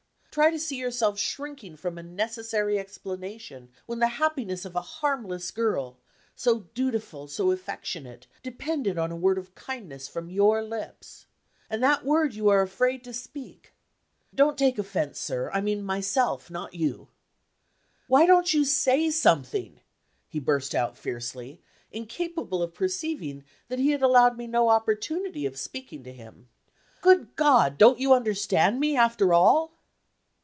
Try to see yourself shrinking from a necessary explanation, when the happiness of a harmless girl so dutiful, so affectionate depended on a word of kindness from your lips. And that word you are afraid to speak! Don't take offense, sir; I mean myself, not you. Why don't you say something?" he burst out fiercely, incapable of perceiving that he had allowed me no opportunity of speaking to him. "Good God! don't you understand me, after all?"